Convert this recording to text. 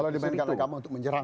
kalau dimainkan agama untuk menyerang